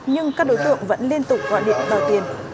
nhưng các đối tượng vẫn liên tục gọi điện đòi tiền